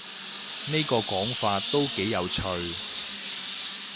呢個講法都幾有趣